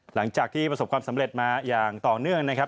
หลังจากที่ประสบความสำเร็จมาอย่างต่อเนื่องนะครับ